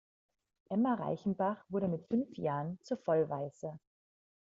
Emma Reichenbach wurde mit fünf Jahren zur Vollwaise.